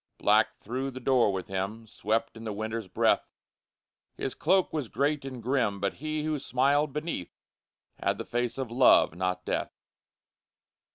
_ Black through the door with him Swept in the Winter's breath; His cloak was great and grim But he, who smiled beneath, Had the face of Love not Death.